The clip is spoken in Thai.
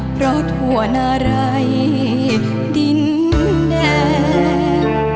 เพราะทั่วนารัยดินแดง